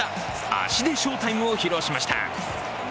足で翔タイムを披露しました。